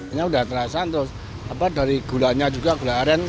ini udah terasa terus dari gulanya juga gula aren